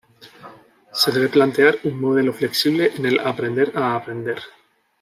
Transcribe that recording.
Se debe plantear un modelo flexible en el aprender a aprender.